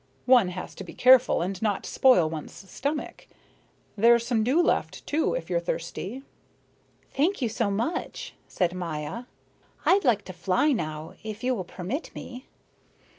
One has to be careful and not spoil one's stomach. There's some dew left, too, if you're thirsty." "Thank you so much," said Maya. "I'd like to fly now, if you will permit me."